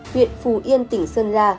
huyện phù yên tỉnh sơn la